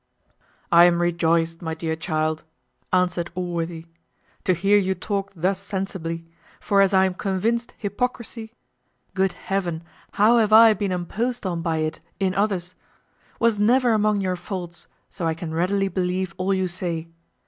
"I am rejoiced, my dear child," answered Allworthy, "to hear you talk thus sensibly; for as I am convinced hypocrisy (good Heaven! how have I been imposed on by it in others!) was never among your faults, so I can readily believe all you say.